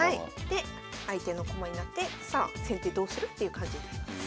で相手の駒になってさあ先手どうする？っていう感じになります。